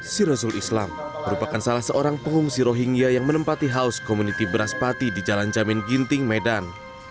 sira zul islam merupakan salah seorang pengungsi rohingya yang menempati house community beras pati di jalan jamin ginting medan